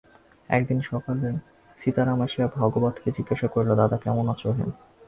একদিন সকালে সীতারাম আসিয়া ভাগবতকে জিজ্ঞাসা করিল, দাদা, কেমন আছ হে?